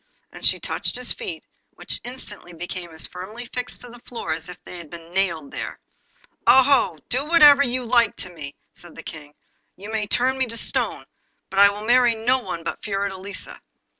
And she touched his feet, which instantly became as firmly fixed to the floor as if they had been nailed there. 'Oh! do whatever you like with me,' said the King; 'you may turn me to stone, but I will marry no one but Fiordelisa.